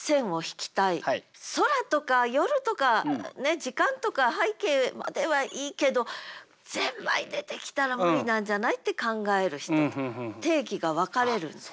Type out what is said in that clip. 「空」とか「夜」とか時間とか背景まではいいけど「発条」出てきたら無理なんじゃない？って考える人と定義が分かれるんです。